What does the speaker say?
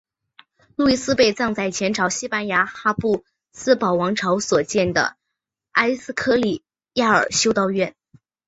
路易斯被葬在前朝西班牙哈布斯堡王朝所建的埃斯科里亚尔修道院。